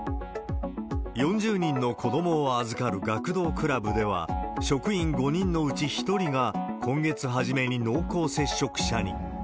４０人の子どもを預かる学童クラブでは、職員５人のうち１人が、今月初めに濃厚接触者に。